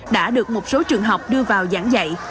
đã được một số trường học đưa vào giảng dạy